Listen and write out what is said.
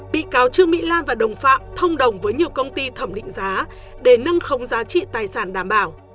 bị cáo trương mỹ lan và đồng phạm thông đồng với nhiều công ty thẩm định giá để nâng khống giá trị tài sản đảm bảo